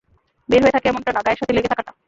বের হয়ে থাকে এমনটা না, গায়ের সাথে লেগে থাকাটা।